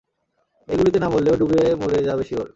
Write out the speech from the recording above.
এই গুলিতে না মরলেও ডুবে মরে যাবে শিওর!